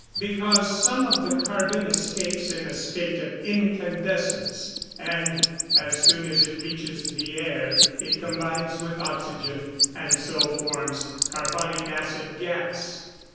_ Because some of the carbon escapes in a state of incandesence, and as soon as it reaches the air it combines with oxygen, and so forms carbonic acid gas.